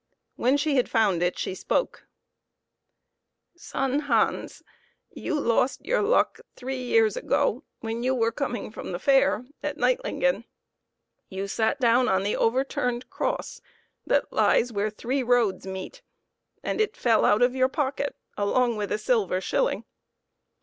When she had found it she spoke :" Son Hans, you lost your luck three years ago when you were coming from the fair at Kneitlingen. You sat down on the overturned cross that lies where three roads meet, and it fell out of your pocket along with a silver shilling.